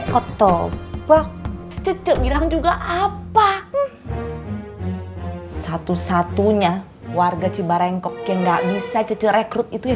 kotobok cc bilang juga apa satu satunya warga cibarengkok yang nggak bisa cucu rekrut itu ya